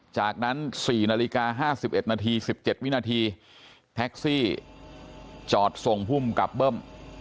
จากนั้น๔นาฬิกา๕๑นาที๑๗วินาทีแท็กซี่จอดส่งภูมิกับเบิ้ม